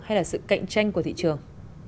hay là sự cạnh tranh của thị trường